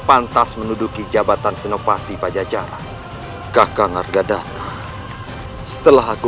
pantas menduduki jabatan senopati pajacara kakang argadana setelah aku